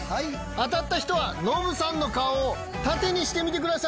当たった人はノブさんの顔を縦にしてみてください。